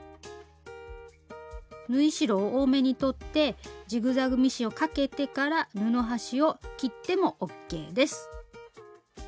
縫い代を多めに取ってジグザグミシンをかけてから布端を切ってもＯＫです。